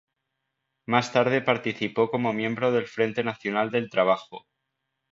Más tarde participó como miembro del Frente Nacional del Trabajo.